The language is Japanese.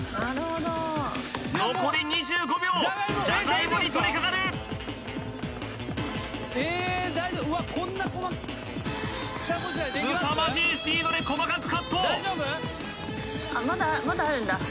残り２５秒ジャガイモに取りかかるすさまじいスピードで細かくカットあっまだあるんだ